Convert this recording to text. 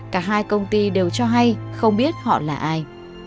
cả hai công ty đều cho hay không biết họ là ai